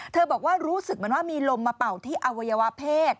บอกว่ารู้สึกเหมือนว่ามีลมมาเป่าที่อวัยวะเพศ